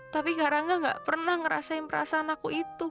tapi karena gak pernah ngerasain perasaan aku itu